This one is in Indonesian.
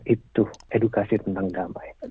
itu edukasi tentang damai